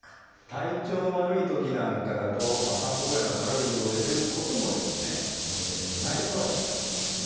体調の悪いときなんかだと散歩ぐらいの軽い運動で出ることもないとは言えないんですね。